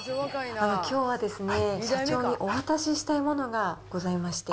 きょうはですね、社長にお渡ししたいものがございまして。